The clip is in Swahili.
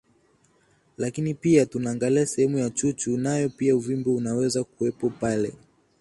lakini pia tunaangalia sehemu ya chuchu nayo pia uvimbe unaweza kuwepo pale